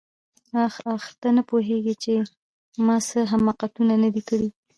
آخ آخ ته نه پوهېږې چې ما څه حماقتونه نه دي کړي.